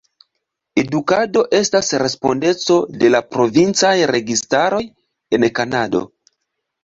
Edukado estas respondeco de la provincaj registaroj en Kanado.